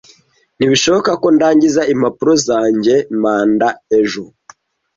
Ntibishoboka ko ndangiza impapuro zanjye manda ejo.